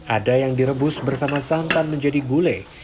ada yang direbus bersama santan menjadi gulai